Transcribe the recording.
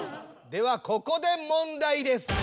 ではここで問題です。